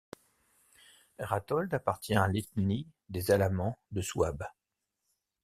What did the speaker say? Rathold appartient à l'ethnie des Alamans de Souabe.